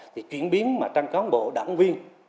thì chuyển biến mà trang cáo bộ đảng viên